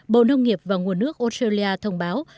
bộ nông nghiệp và nguồn nước australia thông báo